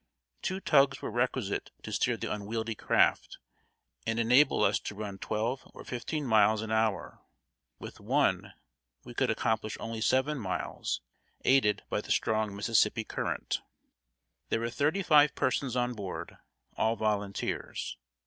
Two tugs were requisite to steer the unwieldy craft, and enable us to run twelve or fifteen miles an hour. With one we could accomplish only seven miles, aided by the strong Mississippi current. There were thirty five persons on board all volunteers.